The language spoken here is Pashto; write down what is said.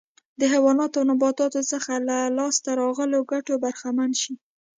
د حیواناتو او نباتاتو څخه له لاسته راغلو ګټو برخمن شي.